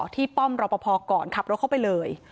ป้อมรอปภก่อนขับรถเข้าไปเลย